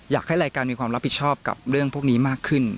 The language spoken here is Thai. อยากให้รายการมีความรับผิดชอบกับเรื่องพวกนี้มากขึ้น